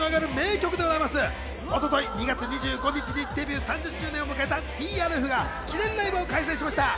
一昨日２月２５日にデビュー３０周年を迎えたＴＲＦが、記念ライブを開催しました。